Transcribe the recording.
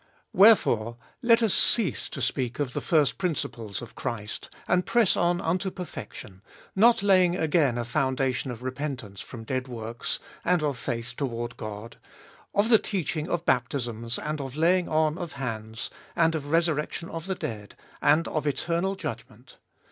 Wherefore let us cease to speak of the first principles1 of Christ, and press on unto perfection; not laying again a foundation of repentance from dead works, and cf faith toward God. 2. Of the teaching of baptisms, and of laying on of hands, and of resur rection of the dead, and of eternal judgment.